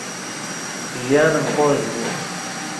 ژیانم خۆش بوو